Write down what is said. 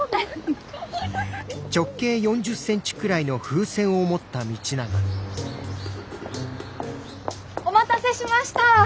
フフフ。お待たせしました！